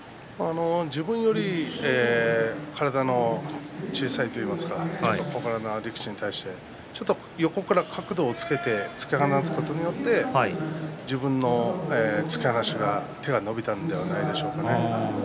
自分より体が小さいといいますかちょっと小柄な力士に対して横から角度をつけて突き放すことで自分の突き放しが、手が伸びたんじゃないでしょうかね。